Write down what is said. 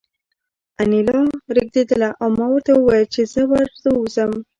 انیلا رېږېدله او ما ورته وویل چې زه ور ووځم